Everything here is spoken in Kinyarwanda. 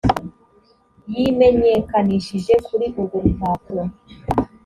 yimenyekanishije kuri urwo rupapuro .